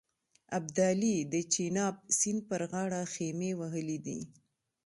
ابدالي د چیناب سیند پر غاړه خېمې وهلې دي.